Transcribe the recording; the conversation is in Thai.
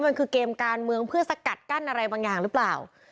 มันคือเกมการเมืองเพื่อสกัดกั้นอะไรบางอย่างหรือเปล่า